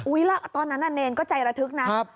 อุ้ยแล้วตอนนั้นน่ะเดรกก็ใจระทุกข์นะ